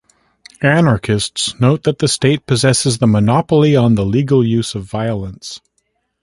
Anarchists note that the state possesses the monopoly on the legal use of violence.